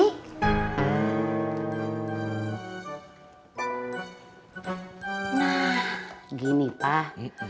nah gini pak